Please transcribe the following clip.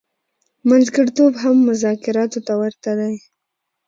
منځګړتوب هم مذاکراتو ته ورته دی.